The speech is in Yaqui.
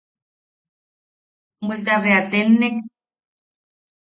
Bweta bea tennek.